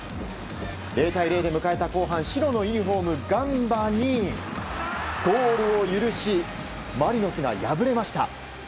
０対０で迎えた後半白のユニホームガンバにゴールを許しマリノスが敗れました。